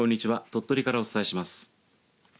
鳥取からお伝えします。